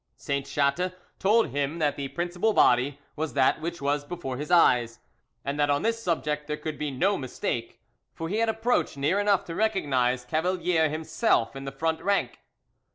Sainte Chatte told him that the principal body was that which was before his eyes, and that on this subject there could be no mistake; for he had approached near enough to recognise Cavalier himself in the front rank.